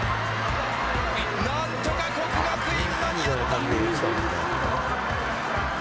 なんとか國學院間に合った。